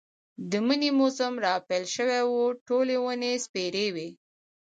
د مني موسم را پيل شوی و، ټولې ونې سپېرې وې.